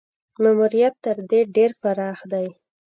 ماموریت تر دې ډېر پراخ دی.